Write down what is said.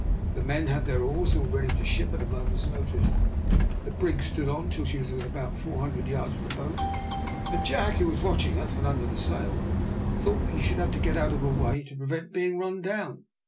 The men had their oars all ready to ship at a moment's notice. The brig stood on till she was within about 400 yards of the boat, and Jack, who was watching her from under the sail, thought that he should have to get out of her way to prevent being run down.